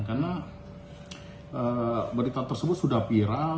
karena berita tersebut sudah viral